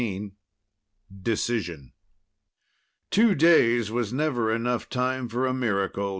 XV Decision Two days was never enough time for a miracle.